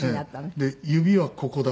で指はここだ。